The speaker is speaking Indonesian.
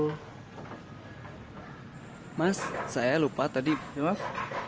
hai mas saya lupa tadi mas